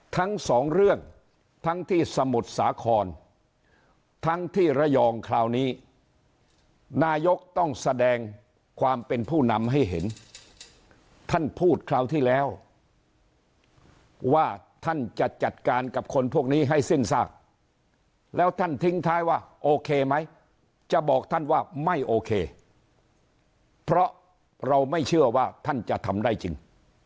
ทั้งสองเรื่องทั้งที่สมุทรสาครทั้งที่ระยองคราวนี้นายกต้องแสดงความเป็นผู้นำให้เห็นท่านพูดคราวที่แล้วว่าท่านจะจัดการกับคนพวกนี้ให้สิ้นซากแล้วท่านทิ้งท้ายว่าโอเคไหมจะบอกท่านว่าไม่โอเคเพราะเราไม่เชื่อว่าท่านจะทำได้จริง